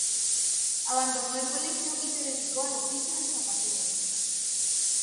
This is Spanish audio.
Abandonó el colegio y se dedicó al oficio de zapatero.